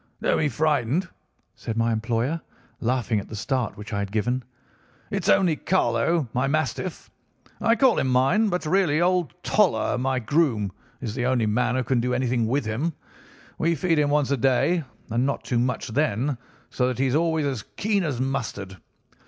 "'Don't be frightened,' said my employer, laughing at the start which I had given. 'It's only Carlo, my mastiff. I call him mine, but really old Toller, my groom, is the only man who can do anything with him. We feed him once a day, and not too much then, so that he is always as keen as mustard.